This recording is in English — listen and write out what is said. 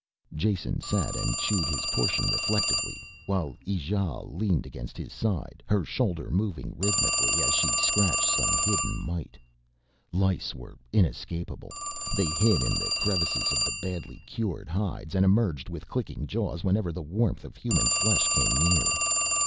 Jason sat and chewed his portion reflectively while Ijale leaned against his side, her shoulder moving rhythmically as she scratched some hidden mite. Lice were inescapable, they hid in the crevices of the badly cured hides and emerged with clicking jaws whenever the warmth of human flesh came near.